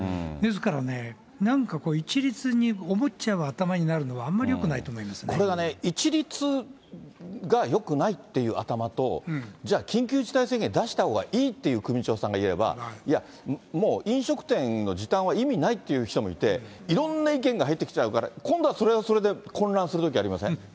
ですから、なんか一律に思っちゃう頭になるのはあんまりよくないと思うんでこれが一律がよくないっていう頭と、じゃあ、緊急事態宣言出したほうがいいという首長さんがいれば、飲食店の時短は意味ないという人もいて、いろんな意見が入ってきちゃうから、今度はそれはそれで混乱するときありません？